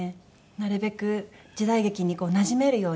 なるべく時代劇になじめるように。